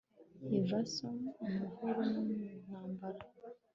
Vassal mu mahoro no mu ntambara